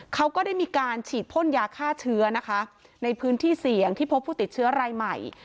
เขาก็ได้มีการฉีดพ่นยาฆ่าเชื้อนะคะในพื้นที่เสี่ยงที่พบผู้ติดเชื้อรายใหม่